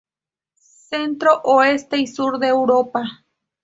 Centro, oeste y sur de Europa.